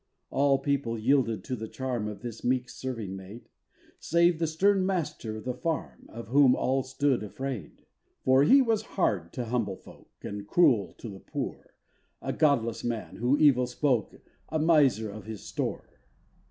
All people yielded to the charm Of this meek serving maid, Save the stern master of the farm, Of whom all stood afraid. For he was hard to humble folk, And cruel to the poor, A godless man, who evil spoke, A miser of his store.